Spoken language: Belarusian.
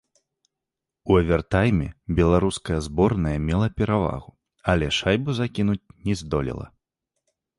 У авертайме беларуская зборная мела перавагу, але шайбу закінуць не здолела.